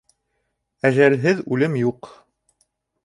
Әжәлһеҙ үлем юҡ.